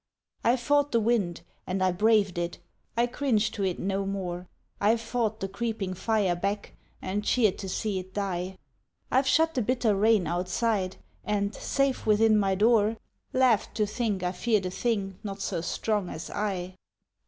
I've fought the wind and braved it; I cringe to it no more! I've fought the creeping fire back and cheered to see it die. I've shut the bitter rain outside and, safe within my door, Laughed to think I feared a thing not so strong as I!